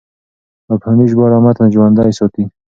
مفهومي ژباړه متن ژوندی ساتي.